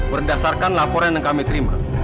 berdasarkan laporan yang kami terima